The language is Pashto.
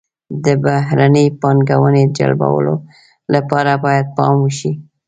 د بهرنۍ پانګونې جلبولو لپاره باید پام وشي.